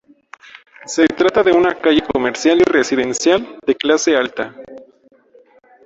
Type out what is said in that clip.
Se trata de una calle comercial y residencial de clase alta.